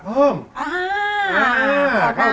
ของคุณยายถ้วน